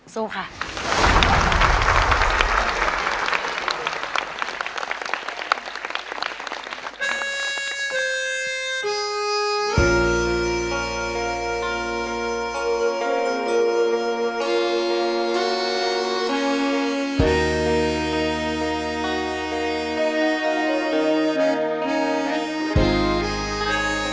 สวัสดิ์ค่ะ